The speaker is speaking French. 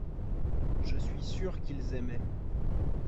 je suis sûr qu'ils aimaient.